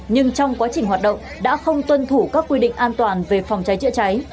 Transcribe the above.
nhưng trong quá trình hoạt động đã không tuân thủ các quy định an toàn về phòng cháy chữa cháy